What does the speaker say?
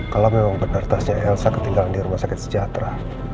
kalau memang benar tasnya elsa ketinggalan di rumah sakit sejahtera